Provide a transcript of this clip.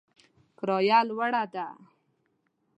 کرایه لوړه ده